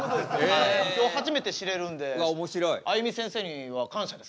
今日初めて知れるんであゆみせんせいには感謝ですね。